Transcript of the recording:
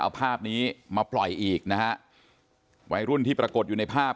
เอาภาพนี้มาปล่อยอีกนะฮะวัยรุ่นที่ปรากฏอยู่ในภาพ